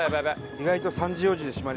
意外と３時４時で閉まりますよ。